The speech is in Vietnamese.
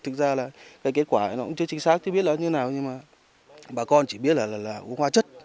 thực ra là cái kết quả nó cũng chưa chính xác chưa biết nó như thế nào nhưng mà bà con chỉ biết là uống hoa chất